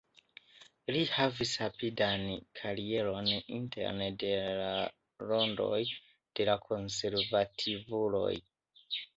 Li havis rapidan karieron interne de la rondoj de la konservativuloj.